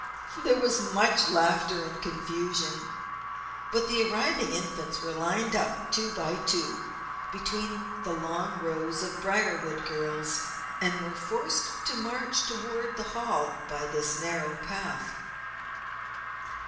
There was much laughter and confusion; but the arriving Infants were lined up two by two between the long rows of Briarwood girls and were forced to march toward the Hall by this narrow path.